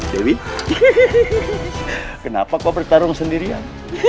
dewi kenapa kok bertarung sendirian